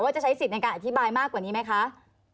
จะใช้สิทธิ์ในการอธิบายมากกว่านี้ไหมคะ